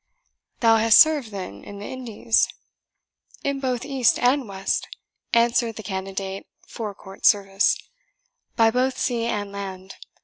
"Thou hast served, then, in the Indies?" "In both East and West," answered the candidate for court service, "by both sea and land.